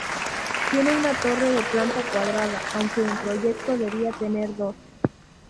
Tiene una torre de planta cuadrada aunque en proyecto debía tener dos.